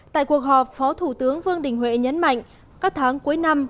tại cuộc họp phó thủ tướng vương đình huệ nhấn mạnh các tháng cuối năm